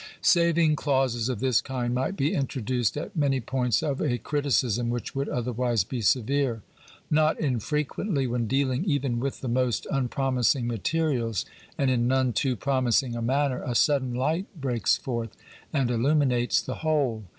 Saving clauses of this kind might be introduced at many points of a criticism which would otherwise be severe. Not infrequently, when dealing even with the most unpro mising materials and in none too promising a manner, a sudden light breaks forth and illuminates the whole.